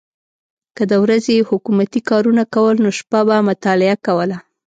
که د ورځې یې حکومتي کارونه کول نو شپه به مطالعه کوله.